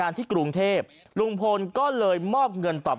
ท่านพรุ่งนี้ไม่แน่ครับ